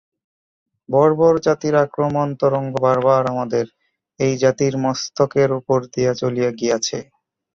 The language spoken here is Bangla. বর্বর জাতির আক্রমণ-তরঙ্গ বার বার আমাদের এই জাতির মস্তকের উপর দিয়া চলিয়া গিয়াছে।